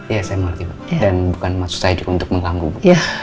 ya saya mengerti dan bukan maksud saya untuk mengganggu bu